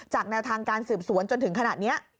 แนวทางการสืบสวนจนถึงขนาดนี้